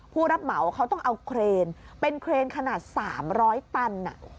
ผู้รับเหมาเขาต้องเอาเครนเป็นเครนขนาด๓๐๐ตัน